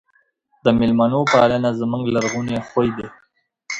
د مېلمنو پالنه زموږ لرغونی خوی دی.